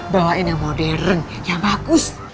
bawain yang modern yang bagus